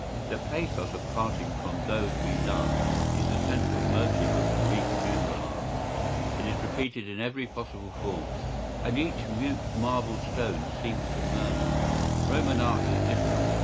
¬Ý The pathos of parting from those we love is the central motive of Greek funeral art.¬Ý It is repeated in every possible form, and each mute marble stone seems to murmur œáŒ±√ÆœÅŒµ.¬Ý Roman art is different.